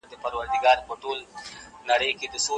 خبرو مصداق ګڼل کيږي. هند یو داسي هيواد دی،